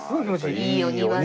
いいお庭で。